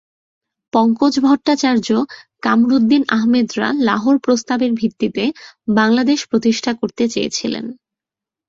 পঙ্কজ ভট্টাচার্য কামরুদ্দীন আহমেদরা লাহোর প্রস্তাবের ভিত্তিতে বাংলাদেশ প্রতিষ্ঠা করতে চেয়েছিলেন।